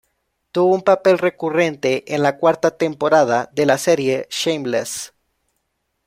Tuvo un papel recurrente en la cuarta temporada de la serie Shameless.